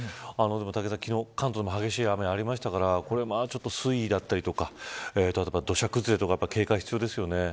武井さん、昨日関東でも激しい雨がありましたから水位とか土砂崩れとか警戒が必要ですよね。